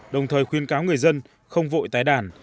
đồng thời khuyên cáo người dân không vội tái đàn